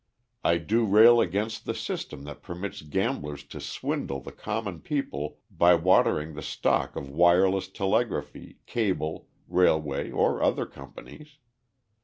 I do rail against the system that permits gamblers to swindle the common people by watering the stock of wireless telegraphy, cable, railway, or other companies.